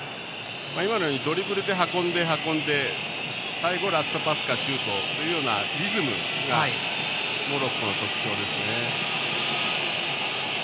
今のようにドリブルで運んで運んで、最後ラストパスでシュートのリズムがモロッコの特徴ですよね。